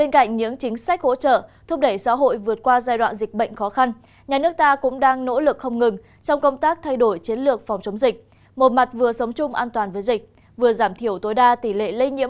các bạn hãy đăng ký kênh để ủng hộ kênh của chúng mình nhé